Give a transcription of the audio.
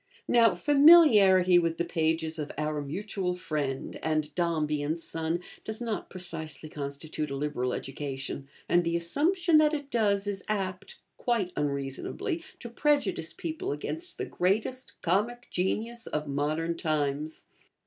Now familiarity with the pages of 'Our Mutual Friend'and 'Dombey and Son' does not precisely constitute a liberal education, and the assumption that it does is apt (quite unreasonably) to prejudice people against the greatest comic genius of modern times.